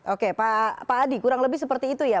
oke pak adi kurang lebih seperti itu ya